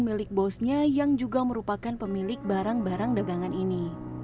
milik bosnya yang juga merupakan pemilik barang barang dagangan ini